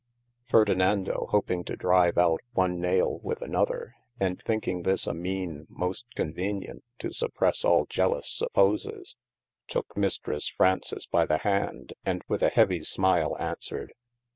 Fardenando hoping to drive out one naile with another and thinking this a meane moste convenient to suppresse all jelous supposes, tooke Mistresse Fraunces by the hand and with a heavy smile aunswered.